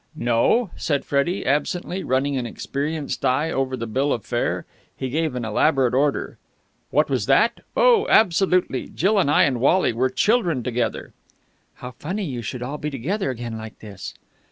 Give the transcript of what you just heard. "No?" said Freddie absently, running an experienced eye over the bill of fare. He gave an elaborate order. "What was that? Oh, absolutely! Jill and I and Wally were children together." "How funny you should all be together again like this."